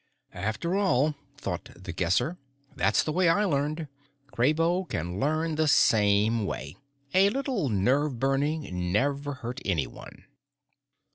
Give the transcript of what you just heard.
After all, thought The Guesser, _that's the way I learned; Kraybo can learn the same way. A little nerve burning never hurt anyone.